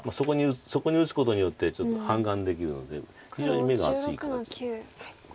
そこに打つことによってちょっと半眼できるので非常に眼が厚い形。